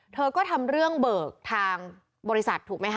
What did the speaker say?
เธอก็ทำเรื่องเบิกทางบริษัทถูกไหมคะ